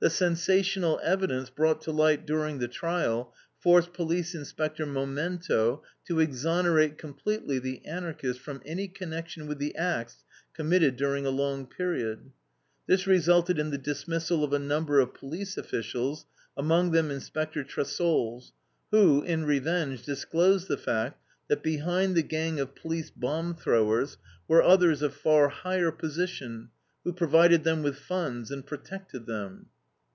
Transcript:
The sensational evidence, brought to light during the trial, forced Police Inspector Momento to exonerate completely the Anarchists from any connection with the acts committed during a long period. This resulted in the dismissal of a number of police officials, among them Inspector Tressols, who, in revenge, disclosed the fact that behind the gang of police bomb throwers were others of far higher position, who provided them with funds and protected them.